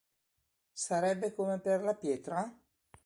Sarebbe come per la pietra?